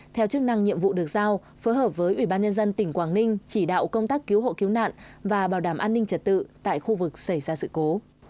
theo chức năng nhiệm vụ được giao phối hợp với ubnd tỉnh quảng ninh chỉ đạo công tác cứu hộ cứu nạn và bảo đảm an ninh trật tự tại khu vực xảy ra sự cố